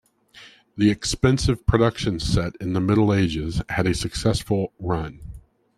The expensive production set in the Middle Ages had a successful run.